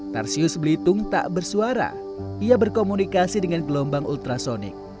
tarsius belitung tak bersuara ia berkomunikasi dengan gelombang ultrasonic